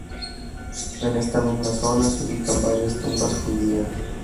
En esta misma zona se ubican varias tumbas judías.